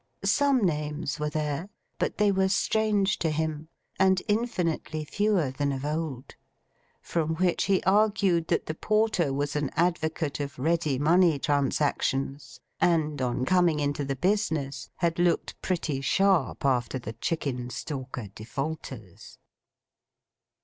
Some names were there, but they were strange to him, and infinitely fewer than of old; from which he argued that the porter was an advocate of ready money transactions, and on coming into the business had looked pretty sharp after the Chickenstalker defaulters.